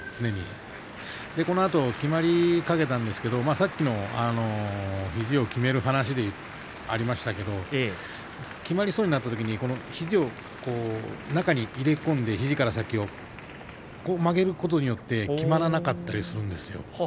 このあと、きまりかけたんですがさっきの肘をきめる話でもありましたけれどきまりそうになったときに肘を中に入れ込んで肘から先をそして曲げることによってきまらなかったりするんですよ。